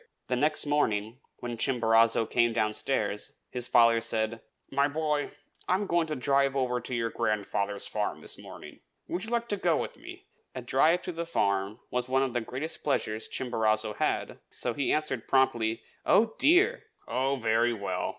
The next morning, when Chimborazo came downstairs, his father said, "My boy, I am going to drive over to your grandfather's farm this morning; would you like to go with me?" A drive to the farm was one of the greatest pleasures Chimborazo had, so he answered promptly, "Oh, dear!" "Oh, very well!"